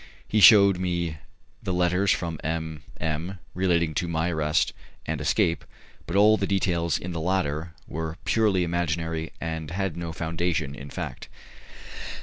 He shewed me the letters from M M relating to my arrest and escape, but all the details in the latter were purely imaginary and had no foundation in fact.